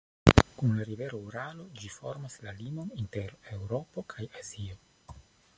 Kun la rivero Uralo ĝi formas la limon inter Eŭropo kaj Azio.